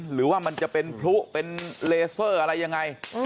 หรือว่ามันจะเป็นพลุเป็นเลเซอร์อะไรยังไง